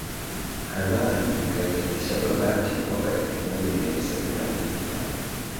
Hanang ikaianzisha Babati mwaka elfu moja mia tisa themanini na tano